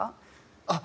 あっ！